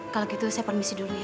kalau gitu saya permisi dulu ya